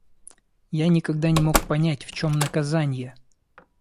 Я никогда не мог понять, в чем наказанье.